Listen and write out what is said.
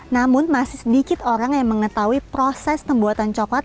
namun masih sedikit orang yang mengetahui proses pembuatan coklat